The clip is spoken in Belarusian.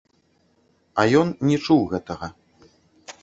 А ён не чуў гэтага.